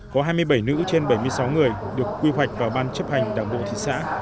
có hai mươi bảy nữ trên bảy mươi sáu người được quy hoạch vào ban chấp hành đảng bộ thị xã